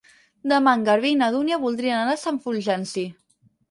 Demà en Garbí i na Dúnia voldrien anar a Sant Fulgenci.